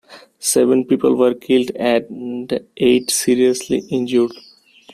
Seven people were killed and eight seriously injured.